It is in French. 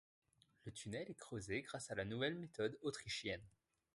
Le tunnel est creusé grâce à la nouvelle méthode autrichienne.